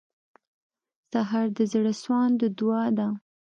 سهار د زړسواندو دعا ده.